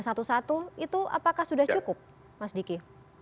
satu satu itu apakah sudah cukup mas diki